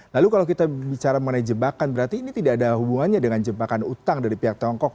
lalu kalau kita bicara mengenai jebakan berarti ini tidak ada hubungannya dengan jebakan utang dari pihak tiongkok